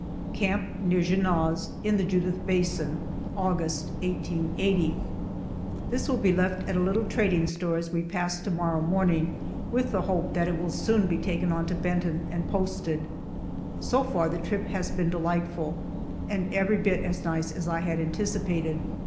CAMP NEAR JUNOT'S, IN THE JUDITH BASIN, August, 1880. THIS will be left at a little trading store as we pass to morrow morning, with the hope that it will soon be taken on to Benton and posted. So far, the trip has been delightful, and every bit as nice as I had anticipated.